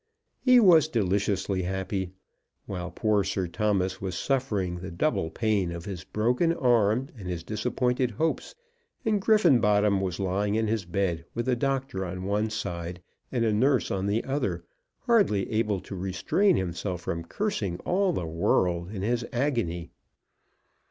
He was deliciously happy; while poor Sir Thomas was suffering the double pain of his broken arm and his dissipated hopes, and Griffenbottom was lying in his bed, with a doctor on one side and a nurse on the other, hardly able to restrain himself from cursing all the world in his agony.